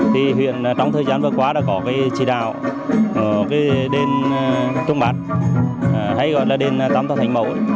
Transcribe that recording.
thì huyền trong thời gian vừa qua đã có chỉ đạo của đền trung bát hay gọi là đền tám tàu thánh mẫu